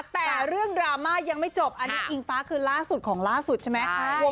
แต่เรื่องดราม่ายังไม่จบอันนี้อิงฟ้าคือล่าสุดของล่าสุดใช่ไหม